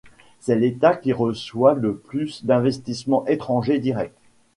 C'est l'État qui reçoit le plus d'investissements étrangers directs.